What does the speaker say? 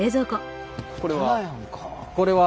これは？